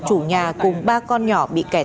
chủ nhà cùng ba con nhỏ bị kẹt